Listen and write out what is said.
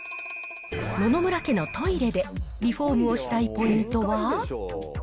野々村家のトイレで、リフォームをしたいポイントは？